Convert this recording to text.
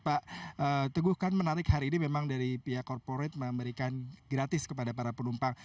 pak teguh kan menarik hari ini memang dari pihak korporat memberikan gratis kepada para penumpang